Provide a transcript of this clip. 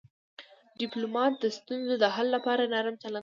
ډيپلومات د ستونزو د حل لپاره نرم چلند کوي.